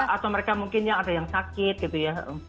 atau mereka mungkin yang ada yang sakit gitu ya